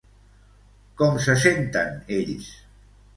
Com se senten ells?